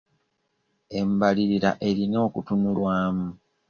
Embalirira erina okutunulwamu.